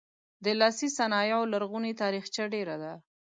د لاسي صنایعو لرغونې تاریخچه ډیره ده.